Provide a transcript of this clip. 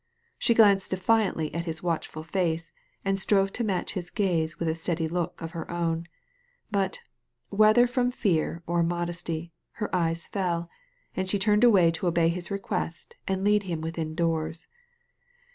She glanced defiantly at his watchful face, and strove to match his gaze with a steady look of her own ; bu^ whether from fear or modesty, her eyes fell, and she turned away to obey his request and lead him within doors.